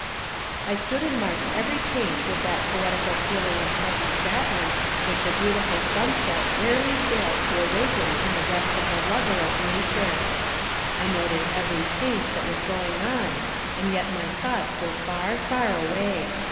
I stood and marked every change with that poetical feeling of pleasant sadness which a beautiful sunset rarely fails to awaken in the breast of the lover of nature. I noted every change that was going on, and yet my thoughts were far, far away.